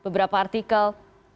di beberapa artikel